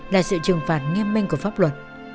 là sự trừng phạt nghiêm minh của pháp luật